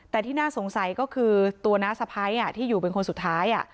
แต่ที่น่าสงสัยก็คือตัวน้าสะพ้ายที่อยู่เป็นคนสุดท้าย